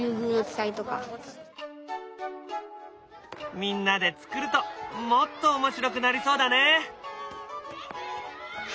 みんなで作るともっと面白くなりそうだね！